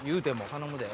頼むで。